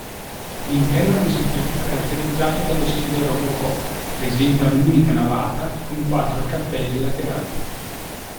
L'interno risulta più caratterizzato dallo stile rococò; presenta un'unica navata, con quattro cappelle laterali.